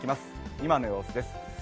今の様子です。